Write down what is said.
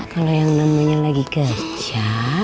kalau yang namanya lagi kerja